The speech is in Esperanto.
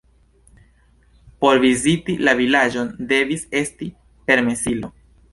Por viziti la vilaĝon devis esti permesilo.